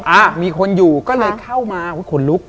อ่ะมีคนอยู่ก็เลยเข้ามาขนลุก